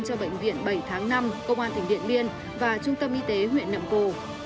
cho bệnh viện bảy tháng năm công an tỉnh điện biên và trung tâm y tế huyện nậm cù